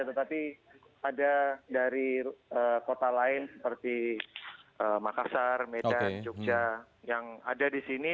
tetapi ada dari kota lain seperti makassar medan jogja yang ada di sini